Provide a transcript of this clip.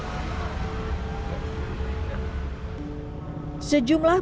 pedagang kopi sampai rumah rumah makan di kawasan jatinegara